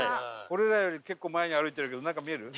俺らより結構前に歩いてるけどなんか見える？